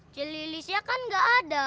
celilisnya kan gak ada